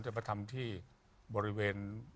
แต่ไปทำที่บริเวณ